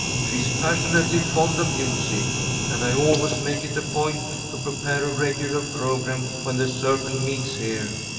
She's passionately fond of music, and I always make it a point to prepare a regular programme when the Circle meets here.